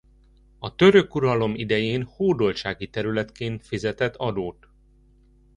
A török uralom idején hódoltsági területként fizetett adót.